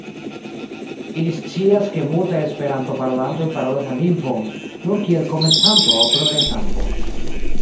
Ili scias ke multaj Esperanto-parolantoj parolas la lingvon nur kiel komencanto aŭ progresanto.